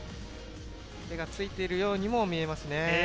手がついているようにも見えますね。